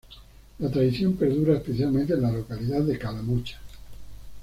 La tradición perdura especialmente en la localidad de Calamocha.